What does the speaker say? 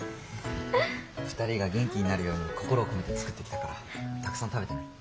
２人が元気になるように心を込めて作ってきたからたくさん食べてね。